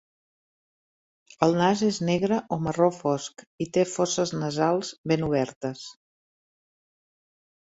El nas és negre o marró fosc, i té fosses nasals ben obertes.